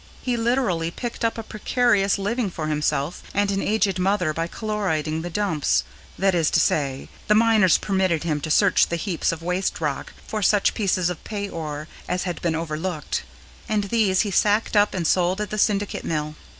He literally picked up a precarious living for himself and an aged mother by "chloriding the dumps," that is to say, the miners permitted him to search the heaps of waste rock for such pieces of "pay ore" as had been overlooked; and these he sacked up and sold at the Syndicate Mill.